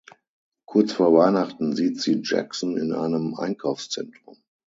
Kurz vor Weihnachten sieht sie Jackson in einem Einkaufszentrum.